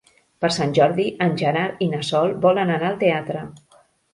Per Sant Jordi en Gerard i na Sol volen anar al teatre.